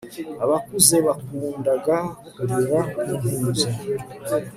abakuze bakundaga kurira nk'impinja